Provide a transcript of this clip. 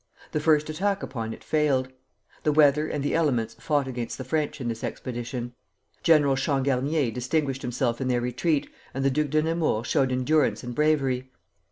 The first attack upon it failed. The weather and the elements fought against the French in this expedition. General Changarnier distinguished himself in their retreat, and the Duc de Nemours showed endurance and bravery.